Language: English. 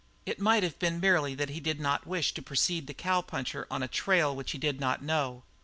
It might have been merely that he did not wish to precede the cowpuncher on a trail which he did not know.